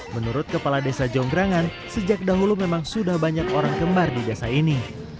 menurut kepala desa jonggrangan sejak dahulu memang sudah banyak orang kembar di desa ini